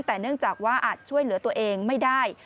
แต่เนื่องจากว่าอาจช่วยเหลือตัวเองไม่ได้